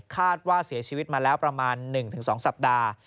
คาดว่าเสียชีวิตมาแล้วประมาณ๑๒สัปดาห์